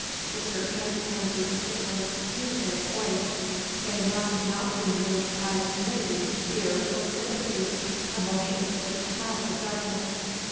The surgeon and the assistants need their poise; they must not be moved by timidity, fear, or sympathy emotions which cloud the judgment.